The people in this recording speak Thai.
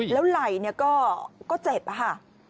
แล้วไหล่ก็เจ็บค่ะ